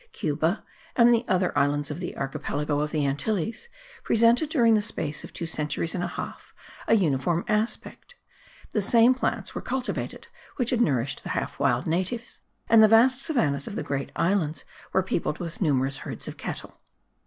Cuba and the other islands of the archipelago of the Antilles presented during the space of two centuries and a half a uniform aspect: the same plants were cultivated which had nourished the half wild natives and the vast savannahs of the great islands were peopled with numerous herds of cattle.